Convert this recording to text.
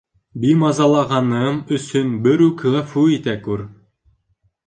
Бимазалағаным өсөн берүк ғәфү итә күр.